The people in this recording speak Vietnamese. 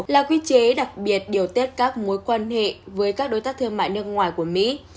là quy chế đặc biệt điều tiết các mối quan hệ với các đối tác thương mại nước ngoài của mỹ